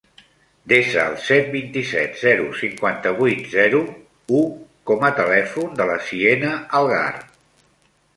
Desa el set, vint-i-set, zero, cinquanta-vuit, zero, u com a telèfon de la Siena Algar.